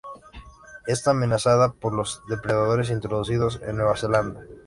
Está amenazada por los depredadores introducidos en Nueva Zelanda.